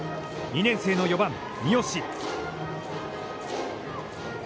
２年生の４番三好。